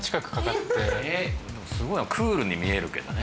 すごいクールに見えるけどね。